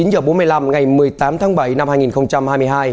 chín h bốn mươi năm ngày một mươi tám tháng bảy năm hai nghìn hai mươi hai